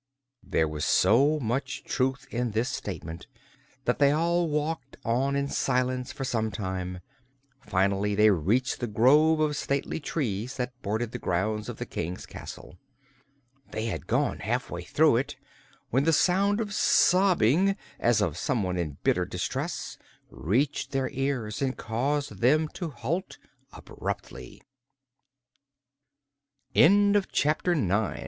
There was so much truth in this statement that they all walked on in silence for some time. Finally they reached the grove of stately trees that bordered the grounds of the King's castle. They had gone halfway through it when the sound of sobbing, as of someone in bitter distress, reached their ears and caused them to halt abruptly. Chapter Ten Pon, the Gardener's Boy It